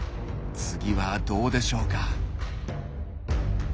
次はどうでしょうか。